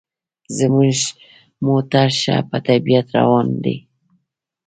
زموږ موټر ښه په طبیعت روان دی.